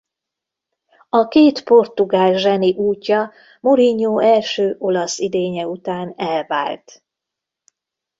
A két portugál zseni útja Mourinho első olasz idénye után elvált.